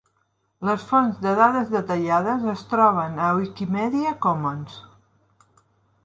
Les fonts de dades detallades es troben a Wikimedia Commons.